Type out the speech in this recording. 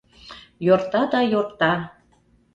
Йорта да йорта.